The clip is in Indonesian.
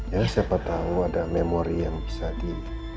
ya siapa tahu ada memori yang bisa di